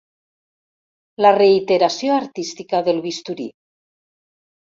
La reiteració artística del bisturí.